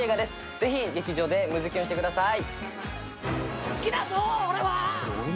ぜひ、劇場でムズキュンしてください。